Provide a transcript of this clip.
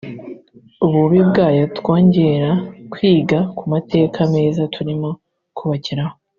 ububi bwayo twongera kwiga ku mateka meza turimo kubakiraho